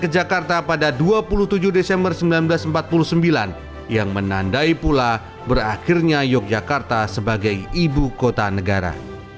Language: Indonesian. ke jakarta pada dua puluh tujuh desember seribu sembilan ratus empat puluh sembilan yang menandai pula berakhirnya yogyakarta sebagai ibu kota negara